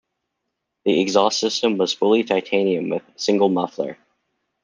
The exhaust system was fully titanium with single muffler.